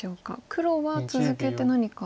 黒は続けて何か。